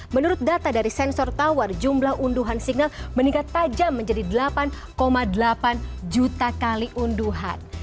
menurut data dari sensor tower jumlah unduhan signal meningkat tajam menjadi delapan delapan juta kali unduhan